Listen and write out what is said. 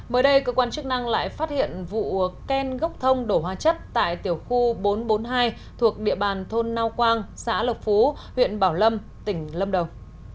mới đây cơ quan chức năng lại phát hiện vụ khen gốc thông đổ hóa chất tại tiểu khu bốn trăm bốn mươi hai thuộc địa bàn thôn nao quang xã lộc phú huyện bảo lâm tỉnh lâm đồng